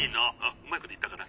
うまいこといったかな？